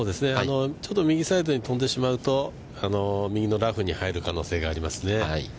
ちょっと右サイドに飛んでしまうと、右のラフに入る可能性がありますね。